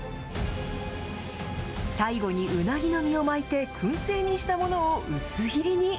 最後にウナギの身を巻いてくん製にしたものを薄切りに。